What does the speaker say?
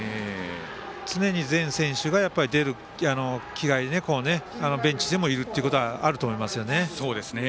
常に全選手が出る気概でベンチにもいるっていうのがあると思いますね。